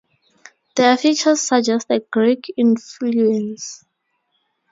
Their features suggest a Greek influence.